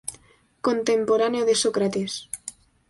Contemporáneo de Sócrates.